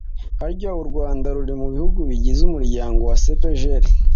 harya u rwanda ruri bihugu bigize umuryango wa cepgl ?